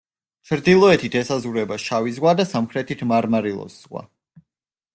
ჩრდილოეთით ესაზღვრება შავი ზღვა და სამხრეთით მარმარილოს ზღვა.